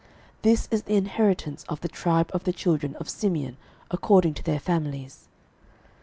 This is the inheritance of the tribe of the children of Simeon according to their families.